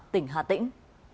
tỉnh hà tĩnh